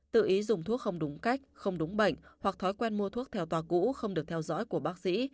tự ý dùng thuốc không đúng cách không đúng bệnh hoặc thói quen mua thuốc theo tòa cũ không được theo dõi của bác sĩ